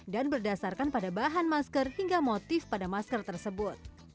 berdasarkan pada bahan masker hingga motif pada masker tersebut